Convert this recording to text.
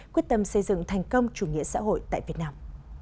quyết tâm xây dựng thành công chủ nghĩa xã hội tại việt nam